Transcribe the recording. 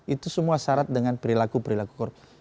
itu semua syarat dengan perilaku perilaku korban